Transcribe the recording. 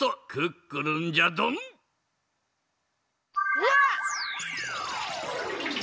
うわっ！